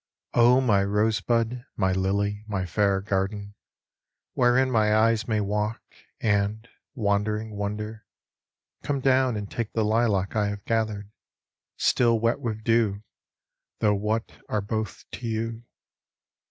my rosebud, my lily, my fair garden, Wherein my eyes may walk, and, wandering, wonder, Come down and take the lilac I have gathered, Still wet with dew, though what are both to you